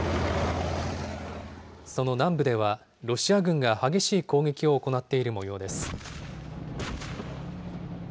その南部では、ロシア軍が激しい攻撃を行っているもようです。